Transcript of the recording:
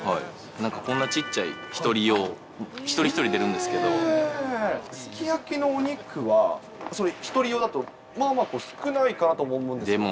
なんかこんなちっちゃい１人用、すき焼きのお肉は、それ、１人用だと、まあまあ少ないかなと思うんですけど。